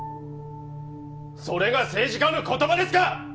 それが政治家の言葉ですか！？